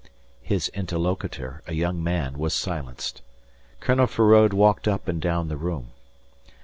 His interlocutor, a young man, was silenced. Colonel Feraud walked up and down the room.